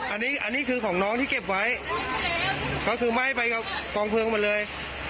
อันนี้คือของน้องที่เก็บไว้เขาก็คือไหม้ไปกลองเพลิงมาเลย